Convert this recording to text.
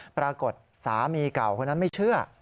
ปรากฏสามีเก่าคนนั้นไม่เชื่อ